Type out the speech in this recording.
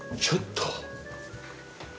ちょっと。